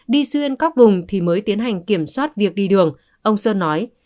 đi xuyên các vùng thì mới tiến hành kiểm soát việc đi đường ông sơn nói